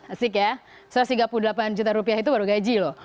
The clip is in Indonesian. asik ya satu ratus tiga puluh delapan juta rupiah itu baru gaji loh